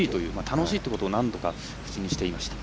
楽しいということを何度か口にしていました。